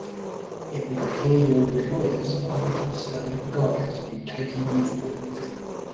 It would appear your employers aren't the stand up guys you'd taken them for.